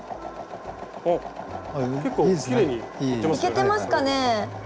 いけてますかね？